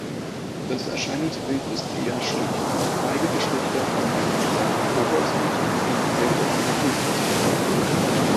Das Erscheinungsbild ist eher schlicht: beide Geschlechter haben eine braune Oberseite, und hellbraune Unterseite.